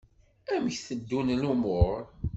Amek teddun lmuṛ?